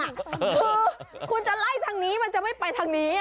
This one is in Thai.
คือคุณจะไล่ทางนี้มันจะไม่ไปทางนี้